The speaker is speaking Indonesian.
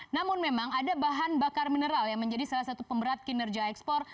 namun memang ada bahan bakar mineral yang menjadi salah satu pemberat kinerja ekspor